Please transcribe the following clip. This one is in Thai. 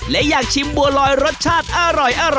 และอยากชิมบัวลอยรสชาติอร่อย